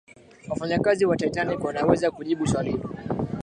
wafanyakazi wa titanic wanaweza kujibu swali hilo